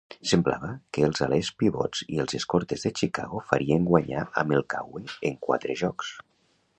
Semblava que els alers pivots i els escortes de Chicago farien guanyar a Milwaukee en quatre jocs.